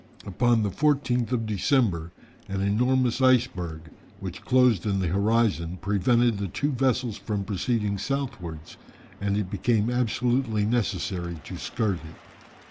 Upon the 14th of December, an enormous iceberg, which closed in the horizon, prevented the two vessels from proceeding southwards, and it became absolutely necessary to skirt it.